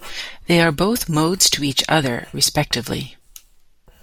They are both modes to each other, respectively.